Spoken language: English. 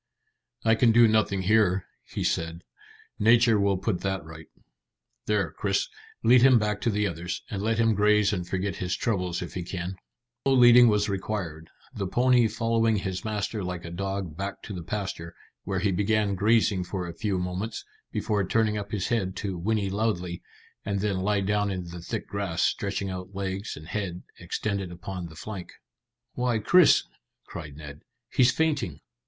"I can do nothing here," he said. "Nature will put that right. There, Chris, lead him back to the others, and let him graze and forget his troubles if he can." No leading was required, the pony following his master like a dog back to the pasture, where he began grazing for a few moments, before turning up his head to whinny loudly, and then lie down in the thick grass, stretching out legs and head, extended upon the flank. "Why, Chris," cried Ned, "he's fainting!"